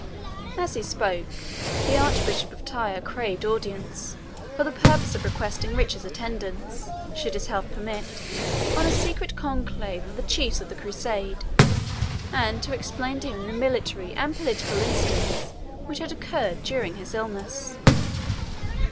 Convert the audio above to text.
As he spoke, the Archbishop of Tyre craved audience, for the purpose of requesting Richard's attendance, should his health permit, on a secret conclave of the chiefs of the Crusade, and to explain to him the military and political incidents which had occurred during his illness.